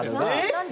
何で？